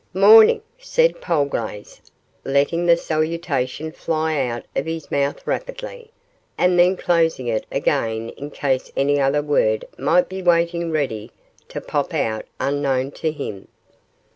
'Morning!' said Polglaze, letting the salutation fly out of his mouth rapidly, and then closing it again in case any other word might be waiting ready to pop out unknown to him.